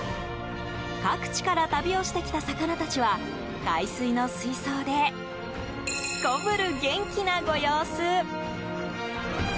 各地から旅をしてきた魚たちは海水の水槽ですこぶる元気なご様子。